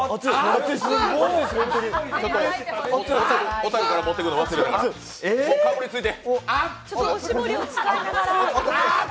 小樽から持ってくるの忘れた、かぶりついて。